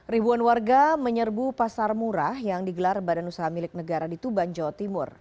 ribuan warga menyerbu pasar murah yang digelar badan usaha milik negara di tuban jawa timur